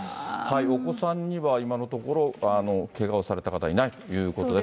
お子さんには今のところ、けがをされた方いないということです。